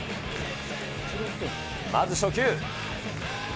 まず初球。